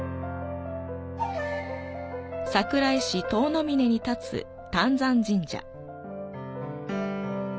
桜井市多武峰に建つ談山神社。